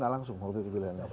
langsung waktu itu pilihannya